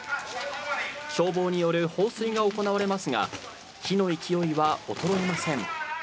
消防による放水が行われますが、火の勢いは衰えません。